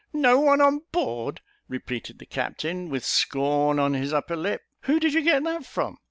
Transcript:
"No one on board!" repeated the captain, with scorn on his upper lip, "who did you get that from?"